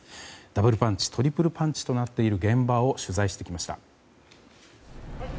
ダブルパンチトリプルパンチとなっている現場を取材してきました。